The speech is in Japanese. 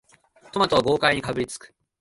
トマトを豪快にかぶりつく